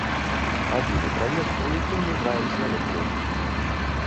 Адзіны праект, у якім мы граем свае творы.